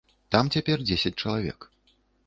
Там цяпер дзесяць чалавек.